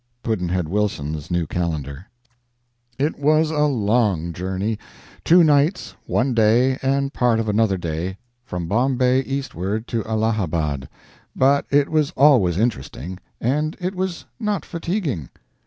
Pudd'nhead Wilson's New Calendar. It was a long journey two nights, one day, and part of another day, from Bombay eastward to Allahabad; but it was always interesting, and it was not fatiguing.